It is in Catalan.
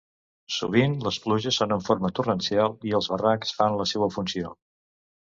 Sovint les pluges són en forma torrencial i els barrancs fan la seua funció.